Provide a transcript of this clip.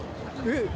えっ？